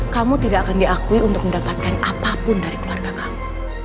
kamu tidak akan diakui untuk mendapatkan apapun dari keluarga kamu